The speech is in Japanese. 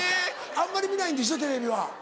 あんまり見ないんでしょテレビは。